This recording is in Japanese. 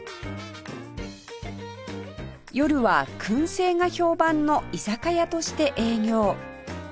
夜は燻製が評判の居酒屋として営業